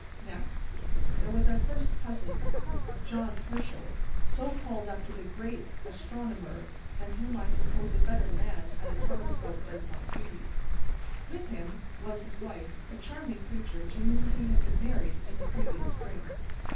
Next, there was our first cousin John Herschel, so called after the great astronomer: than whom I suppose a better man at a telescope does not breathe. With him, was his wife: a charming creature to whom he had been married in the previous spring.